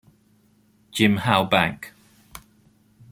Jim Howe Bank.